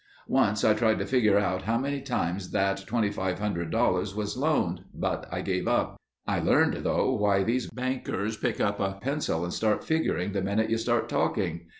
"Once I tried to figure out how many times that $2500 was loaned, but I gave up. I learned though, why these bankers pick up a pencil and start figuring the minute you start talking.